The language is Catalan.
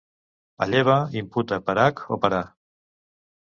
Alleva, imputa, per hac o per a.